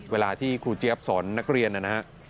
เวลาที่ครูเจี๊ยบสอนนักเรียนนะฮะ